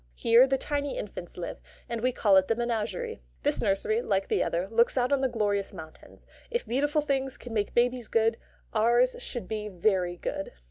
Here the tiny infants live, and we call it the Menagerie. This nursery, like the other, looks out on the glorious mountains. If beautiful things can make babies good, ours should be very good.